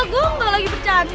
gue gak lagi bercanda